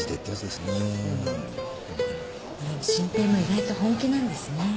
でも真平も意外と本気なんですね。